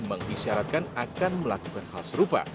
mengisyaratkan akan melakukan hal serupa